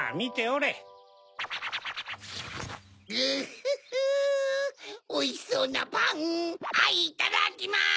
おいしそうなパンいただきます！